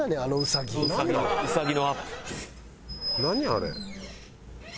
あれ。